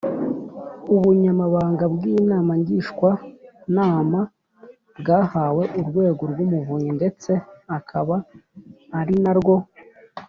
Ubunyamabanga bw inama ngishwanama bwahawe urwego rw umuvunyi ndetse akaba ari narwo